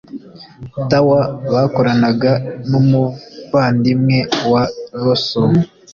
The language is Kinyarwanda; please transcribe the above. Tower bakoranaga n umuvandimwe wa russell